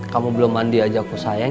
kamu belum mandi aja aku sayang